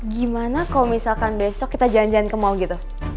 gimana kalau misalkan besok kita jalan jalan ke mall gitu